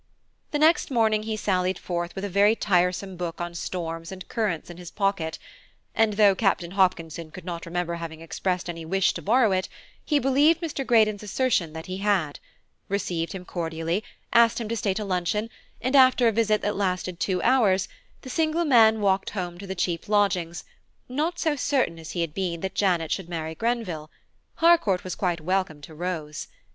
The next morning he sallied forth with a very tiresome book on storms and currents in his pocket, and though Captain Hopkinson could not remember having expressed any wish to borrow it, he believed Mr. Greydon's assertion that he had–received him cordially, asked him to stay to luncheon, and after a visit that lasted two hours, the single man walked home to the cheap lodgings, not so certain as he had been that Janet should marry Grenville–Harcourt was quite welcome to Rose.